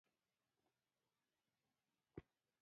که باور ورک شي، تمدن ړنګېږي.